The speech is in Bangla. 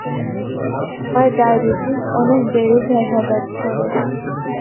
আমার ডায়বেটিস অনেক বেড়ে যায় হঠাৎ করে।